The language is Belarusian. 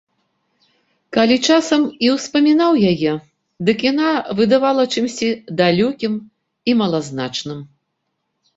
Калі часам і ўспамінаў яе, дык яна выдавала чымсьці далёкім і малазначным.